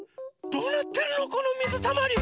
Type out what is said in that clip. どうなってるのこのみずたまり。